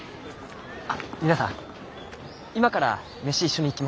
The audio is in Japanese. あっ皆さん今から飯一緒に行きませんか？